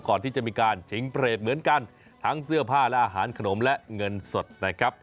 ก่อนที่จะมีการชิงเปรตเหมือนกันทั้งเสื้อผ้าและอาหารขนมและเงินสดนะครับ